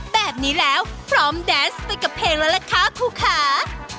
แบบนี้แล้วพร้อมแดนส์ไปกับเพลงแล้วล่ะคะครูคะ